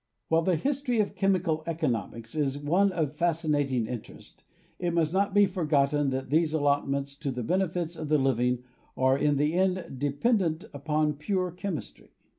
While the history of chemical economics is one of fasci nating interest, it must not be forgotten that these allot ments to the benefits of the living are in the end dependent upon pure chemistry.